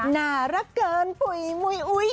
นระเกินหวุยหวุย